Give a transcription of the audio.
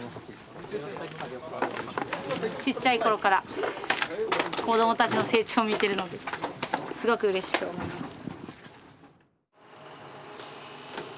ちっちゃい頃から子供たちの成長を見てるのですごくうれしく思います。